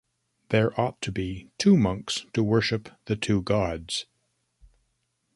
There ought to be two monks to worship the two gods.